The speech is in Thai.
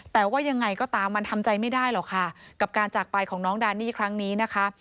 แต่ว่ายังไงก็ตามมันทำใจไม่ได้หรอกค่ะกับการจากไปของน้องดานี่ครั้งนี้นะคะ